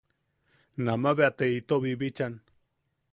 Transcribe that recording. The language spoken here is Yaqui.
Nama bea te ito bibichan.